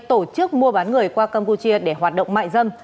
tổ chức mua bán người qua campuchia để hoạt động mại dâm